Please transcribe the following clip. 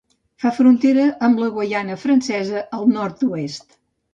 Fa frontera amb la Guaiana Francesa al Nord-oest.